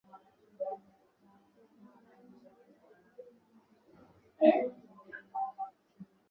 Baadhi ya waasi walirudi Jamhuri ya Kidemokrasia ya Kongo kwa hiari huku wengine kubaki katika kambi ya jeshi la Uganda ya Bihanga, magharibi mwa Uganda.